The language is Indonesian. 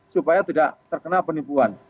supaya tidak terkena penipuan